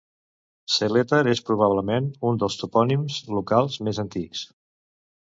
Seletar és probablement un dels topònims locals més antics.